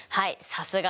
さすが！